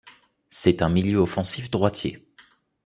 C'est un milieu offensif droitier.